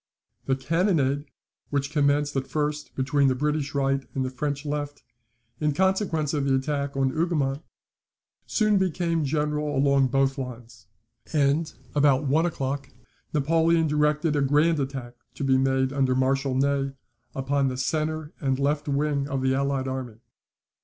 The cannonade, which commenced at first between the British right and the French left, in consequence of the attack on Hougoumont, soon became general along both lines; and about one o'clock, Napoleon directed a grand attack to be made under Marshal Ney upon the centre and left wing of the allied army.